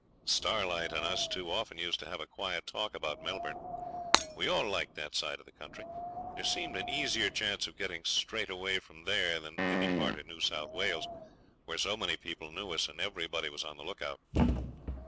Starlight and us two often used to have a quiet talk about Melbourne. We all liked that side of the country; there seemed an easier chance of getting straight away from there than any part of New South Wales, where so many people knew us and everybody was on the look out.